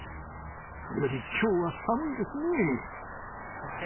それより、きょうは寒いですね。